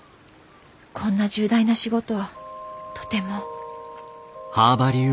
こんな重大な仕事とても。